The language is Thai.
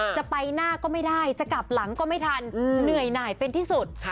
จะไปหน้าก็ไม่ได้จะกลับหลังก็ไม่ทันเหนื่อยหน่ายเป็นที่สุด